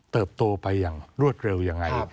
โตไปอย่างรวดเร็วยังไง